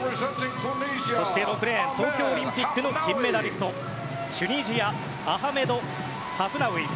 そして６レーン東京オリンピックの金メダリストチュニジアアハメド・ハフナウイ。